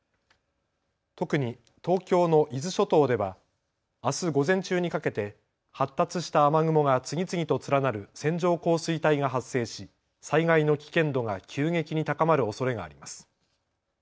特に東京の伊豆諸島ではあす午前中にかけて発達した雨雲が次々と連なる線状降水帯が発生し災害の危険度が急激に高まるおそれがあります。